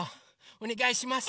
おねがいします。